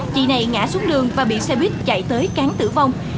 chị này ngã xuống đường và bị xe buýt chạy tới cán tử vong